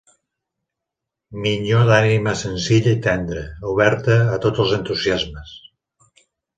Minyó d'ànima senzilla i tendra, oberta a tots els entusiasmes